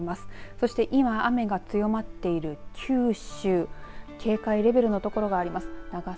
そして今、雨が強まっている九州警戒レベルの所があります。